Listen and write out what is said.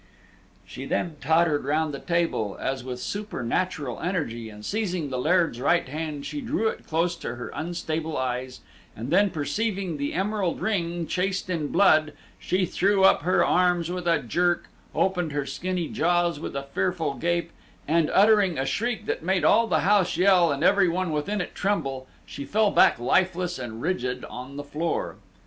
She then tottered round the table, as with supernatural energy, and seizing the Laird's right hand, she drew it close to her unstable eyes, and then perceiving the emerald ring chased in blood, she threw up her arms with a jerk, opened her skinny jaws with a fearful gape, and uttering a shriek that made all the house yell, and every one within it to tremble, she fell back lifeless and rigid on the floor.